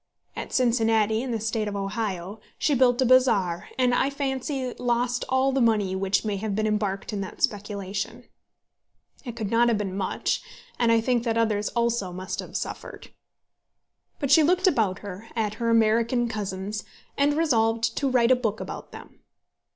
At Cincinnati, in the State of Ohio, she built a bazaar, and I fancy lost all the money which may have been embarked in that speculation. It could not have been much, and I think that others also must have suffered. But she looked about her, at her American cousins, and resolved to write a book about them.